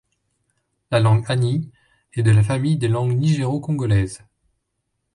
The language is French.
La langue agni est de la famille des langues nigéro-congolaises.